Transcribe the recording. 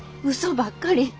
うそばっかり。